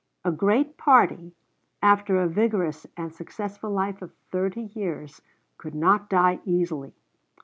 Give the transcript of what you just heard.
A great party, after a vigorous and successful life of thirty years, could not die easily.